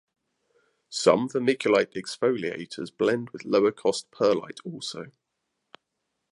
Some vermiculite exfoliators blend with lower cost perlite also.